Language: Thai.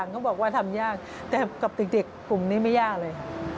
เขาบอกว่าทำยากแต่กับเด็กกลุ่มนี้ไม่ยากเลยค่ะ